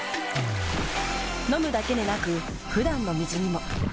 飲むだけでなく普段の水にも。